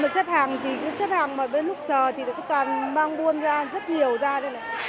mà xếp hàng thì xếp hàng mà lúc chờ thì toàn mang buôn ra rất nhiều ra đây này